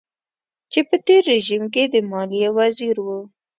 چې په تېر رژيم کې د ماليې وزير و.